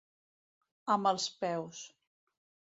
Amb els peus.